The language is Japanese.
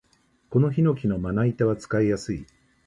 このヒノキのまな板は使いやすい